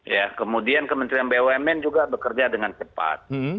ya kemudian kementerian bumn juga bekerja dengan cepat